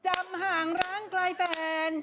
จำห่างรังไกลแฟน